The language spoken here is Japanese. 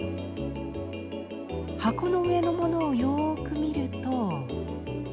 箱の上のものをよく見ると。